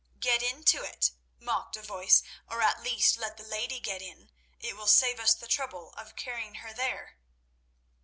"Get into it," mocked a voice; "or, at least, let the lady get in; it will save us the trouble of carrying her there."